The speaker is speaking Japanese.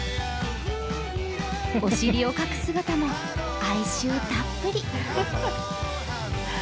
お尻をかく姿も、哀愁たっぷり。